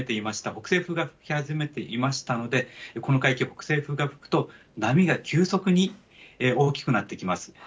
北西風が吹き始めていましたので、この海域、北西風が吹くと、波が急速に大きくなってきます。